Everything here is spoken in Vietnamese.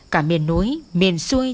cả miền núi miền xuôi